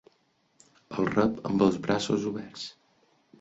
El rep amb els braços oberts.